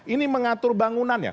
ini mengatur bangunannya